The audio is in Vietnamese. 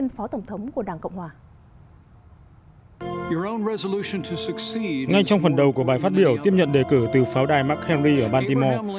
ngay trong phần đầu của bài phát biểu tiếp nhận đề cử từ pháo đài mark henry ở baltimore